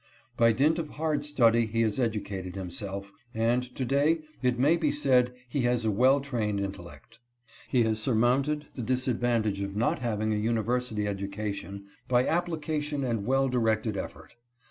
By dint of hard study he has educated himself, and to day it may be said he has a well trained intellect. He has surmounted the disad vantage of not having a university education, by application and well directed effort.